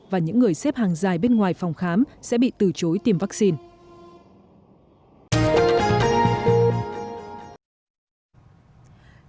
và những người xếp hàng dài bên ngoài phòng khám sẽ bị từ chối tiêm vaccine